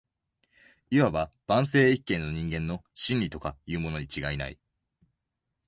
謂わば万世一系の人間の「真理」とかいうものに違いない